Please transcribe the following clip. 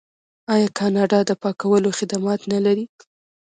آیا کاناډا د پاکولو خدمات نلري؟